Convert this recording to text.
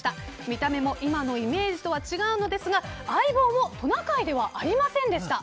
見た目も今のイメージとは違うのですが相棒もトナカイではありませんでした。